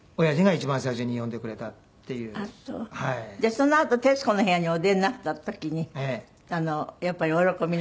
そのあと『徹子の部屋』にお出になった時にやっぱりお喜びになった。